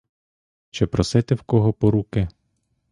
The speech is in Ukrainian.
Чи просити в кого поруки?